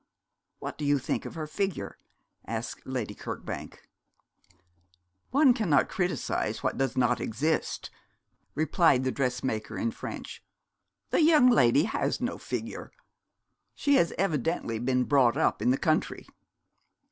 'What do you think of her figure?' asked Lady Kirkbank. 'One cannot criticise what does not exist,' replied the dressmaker, in French. 'The young lady has no figure. She has evidently been brought up in the country.'